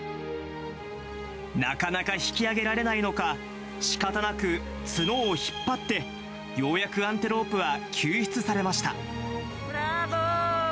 なかなか引き上げられないのか、しかたなく、角を引っ張って、ようやくアンテロープは救出されました。